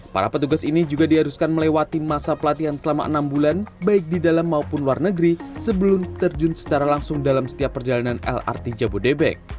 para petugas ini juga diharuskan melewati masa pelatihan selama enam bulan baik di dalam maupun luar negeri sebelum terjun secara langsung dalam setiap perjalanan lrt jabodebek